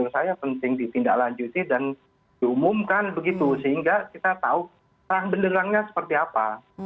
sehingga kita tahu perang benderangnya seperti apa